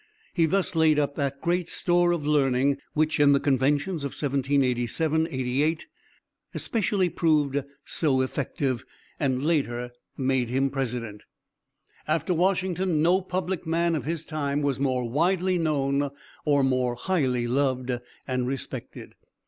He thus laid up that great store of learning which, in the conventions of 1787 8 especially proved so effective, and later made him president. After Washington, no public man of his time was more widely known or more highly loved and respected.